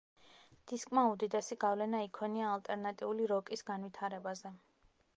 დისკმა უდიდესი გავლენა იქონია ალტერნატიული როკის განვითარებაზე.